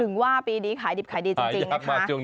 ถึงว่าปีนี้ขายดิบขายดีจริงนะคะ